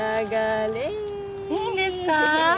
いいんですか？